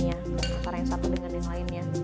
antara yang satu dengan yang lainnya